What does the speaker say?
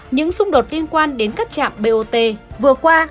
những xung đột liên quan đến các trạm bot vừa qua